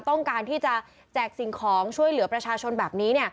ต้องการที่จะแจกสิ่งของช่วยเหลือประชาชนแบบนี้